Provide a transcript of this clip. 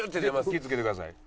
気ぃつけてください。